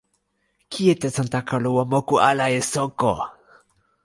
kijetesantakalu o moku ala e soko!